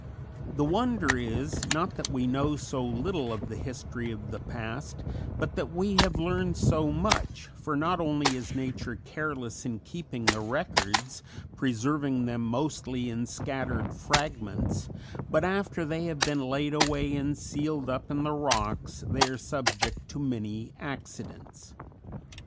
The wonder is, not that we know so little of the history of the past, but that we have learned so much, for not only is nature careless in keeping the records preserving them mostly in scattered fragments but after they have been laid away and sealed up in the rocks they are subject to many accidents.